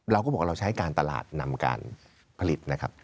เราก็บอกว่าเราใช้การตลาดนำการผลิตนะครับ